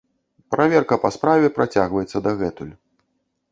Праверка па справе працягваецца дагэтуль.